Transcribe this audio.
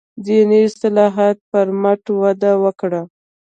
دیني اصلاحاتو پر مټ وده وکړه.